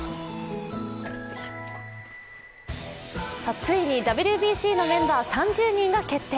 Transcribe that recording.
ついにＷＢＣのメンバー３０人が決定。